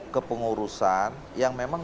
kepengurusan yang memang